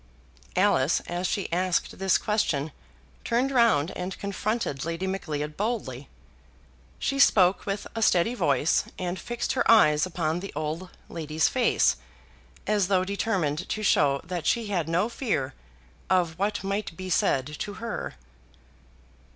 Alice, as she asked this question, turned round and confronted Lady Macleod boldly. She spoke with a steady voice, and fixed her eyes upon the old lady's face, as though determined to show that she had no fear of what might be said to her.